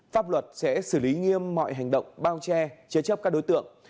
pháp luật sẽ xử lý nghiêm mọi hành động bao che chế chấp các đối tượng